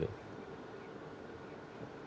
tidak memakan biaya yang tinggi begitu